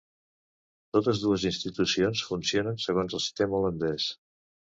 Totes dues institucions funcionen segons el sistema holandès.